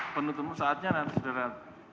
penuh temuan saatnya nanti sudara